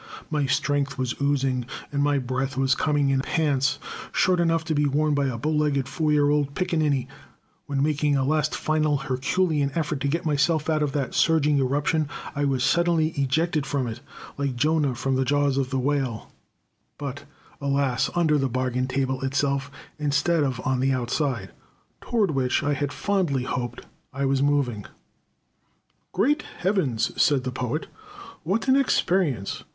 My strength was oozing, and my breath was coming in pants short enough to be worn by a bow legged four year old pickaninny, when, making a last final herculean effort to get myself out of that surging eruption, I was suddenly ejected from it, like Jonah from the jaws of the whale, but alas, under the bargain table itself, instead of on the outside, toward which I had fondly hoped I was moving." "Great Heavens!" said the Poet. "What an experience.